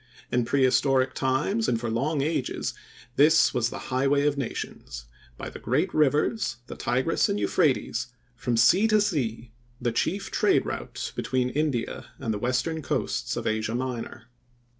In prehistoric times and for long ages this was "the highway of nations," by the great rivers, the Tigris and Euphrates, from sea to sea, the chief trade route between India and the western coasts of Asia Minor.